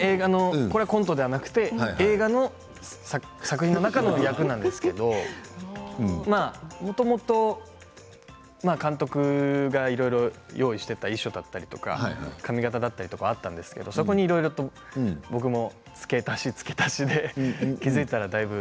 コントではなくて映画の作品の中での役なんですけどもともと監督がいろいろ用意していた衣装だったりとか髪形だったりとかはあったんですけどそこに僕も付け足し、付け足しをして気づいたらだいぶ